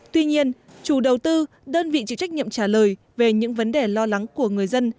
tuy nhiên chủ đầu tư đơn vị trực trách nhiệm trả lời về những vấn đề lo lắng của người dân